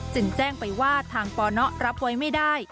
จึงแจ้งไปว่าทางปนรับไว้ไม่ได้